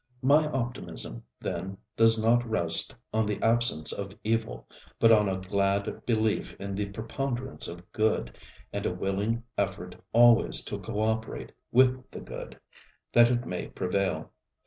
My optimism, then, does not rest on the absence of evil, but on a glad belief in the preponderance of good and a willing effort always to co├Čperate with the good, that it may prevail.